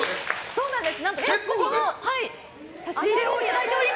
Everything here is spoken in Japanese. そうなんです。